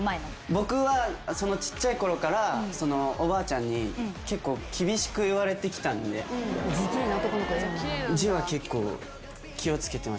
僕はちっちゃいころからおばあちゃんに結構厳しく言われてきたんで字は結構気を付けてます。